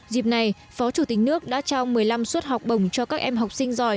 dịp này phó chủ tịch nước đã trao một mươi năm suất học bổng cho các em học sinh giỏi